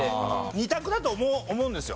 ２択だと思うんですよ。